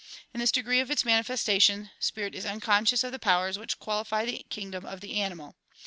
In this degree of its manifestation, spirit is unconscious of the powers which qualify the kingdom of the animal.